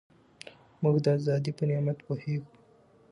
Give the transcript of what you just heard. موږ د ازادۍ په نعمت پوهېږو.